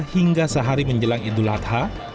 hingga sehari menjelang idul adha